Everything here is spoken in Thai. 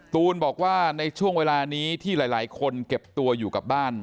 ตูนบอกว่าในช่วงเวลานี้ที่หลายคนเก็บตัวอยู่กับบ้าน